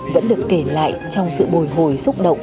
vẫn được kể lại trong sự bồi hồi xúc động